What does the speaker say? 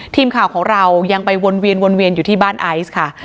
ทีมข่าวของเรายังไปวนเวียนวนเวียนอยู่ที่บ้านไอซ์ค่ะ